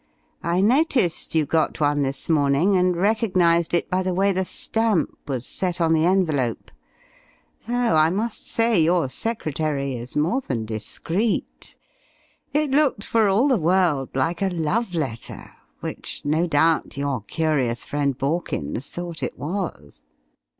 I noticed you got one this morning, and recognized it by the way the stamp was set on the envelope though I must say your secretary is more than discreet. It looked for all the world like a love letter, which no doubt your curious friend Borkins thought it was."